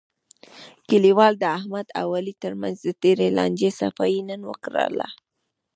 کلیوالو د احمد او علي ترمنځ د تېرې لانجې صفایی نن وکړله.